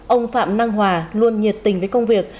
ông phạm năng hòa luôn nhiệt tình với công việc